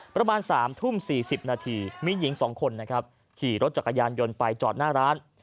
ประมาณ๓ทุ่ม๔๐นาทีมีหญิง๒คนนะครับขี่รถจักรยานยนต์ไปจอดหน้าร้าน